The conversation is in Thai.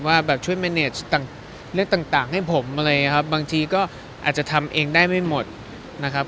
ว่าแบบช่วยแมนเนจต่างให้ผมอะไรบางทีก็อาจจะทำเองได้ไม่หมดนะครับ